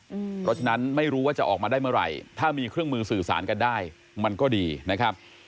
เพราะฉะนั้นไม่รู้ว่าจะออกมาได้เมื่อไหร่ถ้ามีเครื่องมือสื่อสารกันได้มันก็ดีนะครับ